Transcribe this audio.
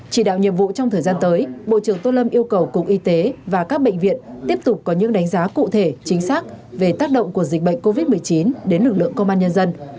chỉ đạo nhiệm vụ trong thời gian tới bộ trưởng tô lâm yêu cầu cục y tế và các bệnh viện tiếp tục có những đánh giá cụ thể chính xác về tác động của dịch bệnh covid một mươi chín đến lực lượng công an nhân dân